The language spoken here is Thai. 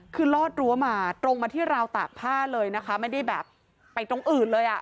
คือลอดรั้วมาตรงมาที่ราวตากผ้าเลยนะคะไม่ได้แบบไปตรงอื่นเลยอ่ะ